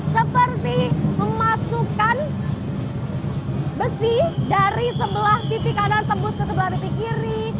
seperti memasukkan besi dari sebelah kiri kanan tembus ke sebelah kipi kiri